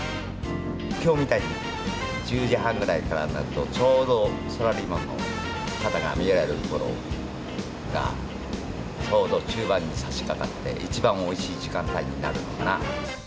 きょうみたいに１０時半ぐらいからになると、ちょうどサラリーマンの方が見られるころがちょうど中盤にさしかかって、一番おいしい時間帯になるのかなと。